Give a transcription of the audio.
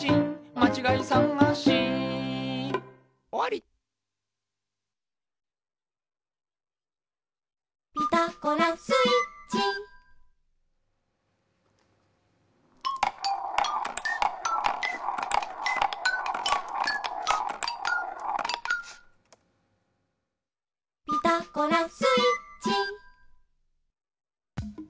「まちがいさがし」「ピタゴラスイッチ」「ピタゴラスイッチ」